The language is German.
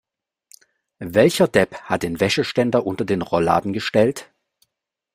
Welcher Depp hat den Wäscheständer unter den Rollladen gestellt?